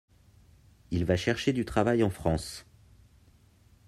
Il va chercher du travail en France.